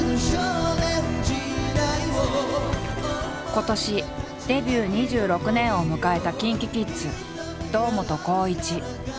今年デビュー２６年を迎えたＫｉｎＫｉＫｉｄｓ堂本光一。